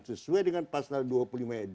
sesuai dengan pasal dua puluh lima e dua